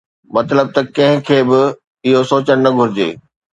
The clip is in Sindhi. مطلب ته ڪنهن کي به اهو سوچڻ نه گهرجي